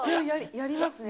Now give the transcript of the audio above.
やりますね。